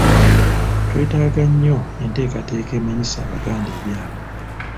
Twetaaga nnyo enteekateeka emanyisa Abaganda ebyabwe.